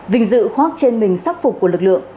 vinh dự khoác trên mình sắc phục của lực lượng